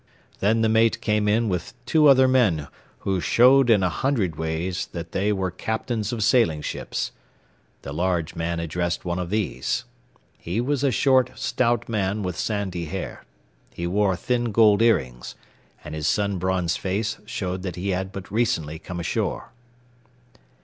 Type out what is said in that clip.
Then the mate came in with two other men who showed in a hundred ways that they were captains of sailing ships. The large man addressed one of these. He was a short, stout man with sandy hair; he wore thin gold earrings, and his sun bronzed face showed that he had but recently come ashore.